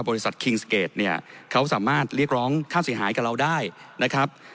คิงสเกจเนี่ยเขาสามารถเรียกร้องค่าเสียหายกับเราได้นะครับ